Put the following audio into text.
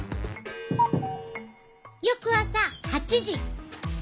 翌朝８時。